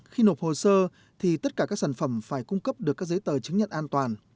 khi nộp hồ sơ thì tất cả các sản phẩm phải cung cấp được các giấy tờ chứng nhận an toàn